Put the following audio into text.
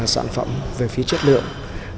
sản phẩm về phía chất lượng